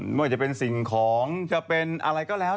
ไม่ว่าจะเป็นสิ่งของจะเป็นอะไรก็แล้ว